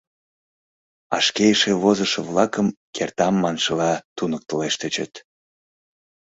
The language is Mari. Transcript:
А шке эше возышо-влакым кертам маншыла туныктылеш тӧчет».